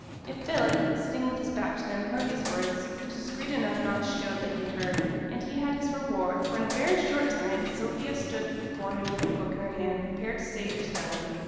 If Philip, sitting with his back to them, heard these words he was discreet enough not to show that he heard. And he had his reward; for in a very short time, Sylvia stood before him with her book in her hand, prepared to say her spelling.